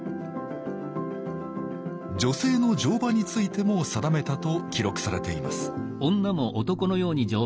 女性の乗馬についても定めたと記録されています